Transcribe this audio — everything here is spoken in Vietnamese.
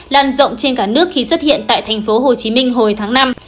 lan rộng trên cả nước khi xuất hiện tại thành phố hồ chí minh hồi tháng năm